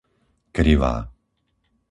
Krivá